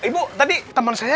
ibu tadi teman saya